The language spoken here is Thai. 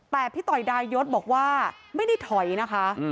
แต่พี่ต่อยดายศบอกว่าไม่ได้ถอยนะคะ